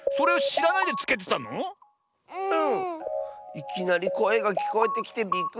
いきなりこえがきこえてきてびっくりしたッス。